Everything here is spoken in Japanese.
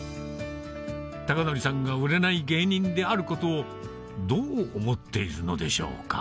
孝法さんが売れない芸人であることをどう思っているのでしょうか？